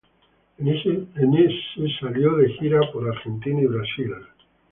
En ese salió de gira por Argentina y Brasil.